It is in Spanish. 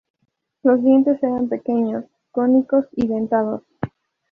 Los dientes eran pequeños, cónicos, y dentados.